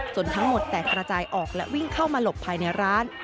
ทั้งหมดแตกระจายออกและวิ่งเข้ามาหลบภายในร้าน